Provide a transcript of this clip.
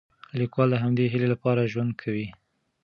لیکوال د همدې هیلې لپاره ژوند کوي.